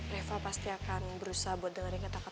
reva pasti akan berusaha buat dengerin kata kata papi